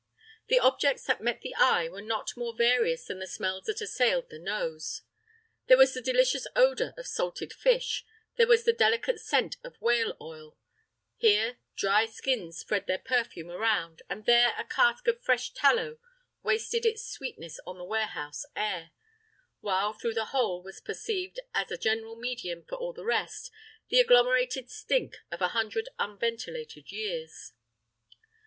The objects that met the eye were not more various than the smells that assailed the nose. Here was the delicious odour of salted fish, there the delicate scent of whale oil; here dry skins spread their perfume around, and there a cask of fresh tallow wasted its sweetness on the warehouse air; while through the whole was perceived, as a general medium for all the rest, the agglomerated stink of a hundred unventilated years.